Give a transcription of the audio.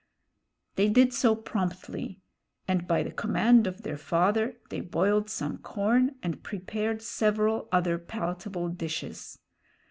They did so promptly, and, by the command of their father, they boiled some corn and prepared several other palatable dishes.